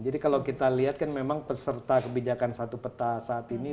jadi kalau kita lihat kan memang peserta kebijakan satu peta saat ini